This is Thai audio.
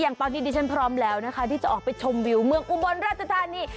ตอนนี้ดิฉันพร้อมแล้วนะคะที่จะออกไปชมวิวเมืองอุบลราชธานี